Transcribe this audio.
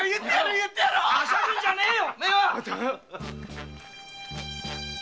はしゃぐんじゃねえよ！